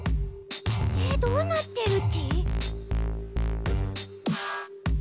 えっどうなってるち？